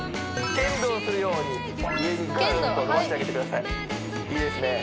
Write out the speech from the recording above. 剣道をするように上にグーンと伸ばしてあげてくださいいいですね